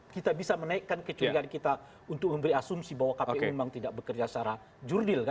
kita bisa menaikkan kecurigaan kita untuk memberi asumsi bahwa kpu memang tidak bekerja secara jurdil